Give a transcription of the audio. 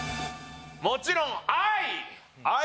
もちろん「愛」！